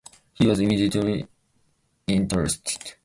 He was immediately interested.